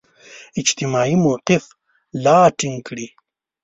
اجتماعي موقف لا ټینګ کړي.